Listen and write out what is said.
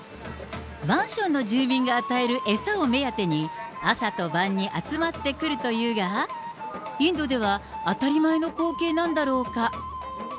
マンションの住民が与える餌を目当てに、朝と晩に集まってくるというが、インドでは当たり前の光景なんだろうか。